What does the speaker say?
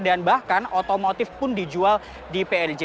dan bahkan otomotif pun dijual di prj